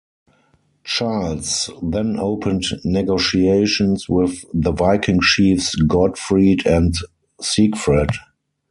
Charles then opened negotiations with the Viking chiefs Godfrid and Sigfred.